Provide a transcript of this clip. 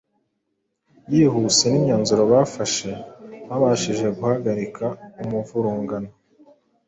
zihuse n’imyanzuro bafashe byabashije guhagarika umuvurungano.